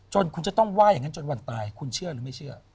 คุณจะต้องว่าอย่างนั้นจนวันตายคุณเชื่อหรือไม่เชื่อ